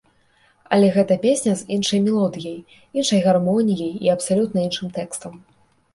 Але гэта песня з іншай мелодыяй, іншай гармоніяй і абсалютна іншым тэкстам.